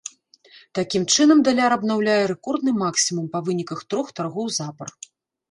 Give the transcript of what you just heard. Такім чынам даляр абнаўляе рэкордны максімум па выніках трох таргоў запар.